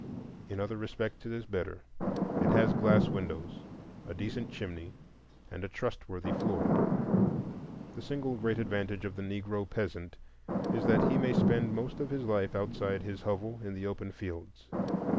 In other respects it is better; it has glass windows, a decent chimney, and a trustworthy floor. The single great advantage of the Negro peasant is that he may spend most of his life outside his hovel, in the open fields.